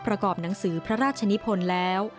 ประกอบหนังสือพระราชนิพลแล้ว